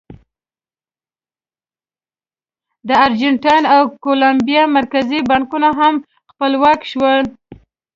د ارجنټاین او کولمبیا مرکزي بانکونه هم خپلواک شول.